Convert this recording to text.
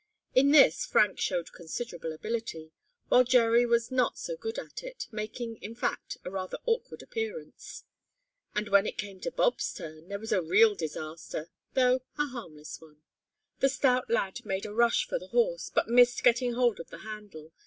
In this Frank showed considerable ability, while Jerry was not so good at it, making, in fact, a rather awkward appearance. And when it came Bob's turn there was a real disaster, though a harmless one. [Illustration: FRANK SHOWED CONSIDERABLE ABILITY.] The stout lad made a rush for the horse, but missed getting hold of the handle.